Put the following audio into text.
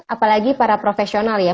apalagi para profesional ya